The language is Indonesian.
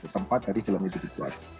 tempat dari film itu dibuat